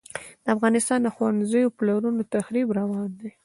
د افغانستان د ښوونځیو او پلونو تخریب روان دی.